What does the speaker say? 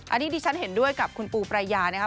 อันนี้ดิฉันเห็นด้วยกับคุณปูปรายานะครับ